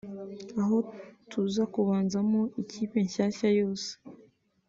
aho tuza kubanzamo ikipe nshyashya yose